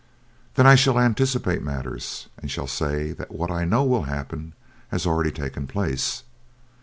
"Then I shall anticipate matters, and shall say that what I know will happen has already taken place.